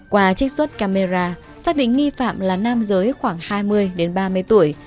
qua trích xuất camera xác định nghi phạm là nam giới khoảng hai mươi đến ba mươi tuổi